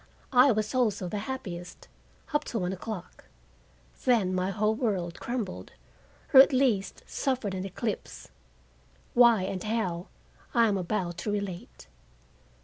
I was also the happiest—up to one o'clock. Then my whole world crumbled, or, at least, suffered an eclipse. Why and how, I am about to relate.